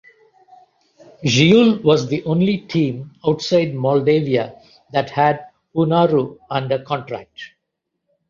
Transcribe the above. Jiul was the only team outside Moldavia that had Poenaru under contract.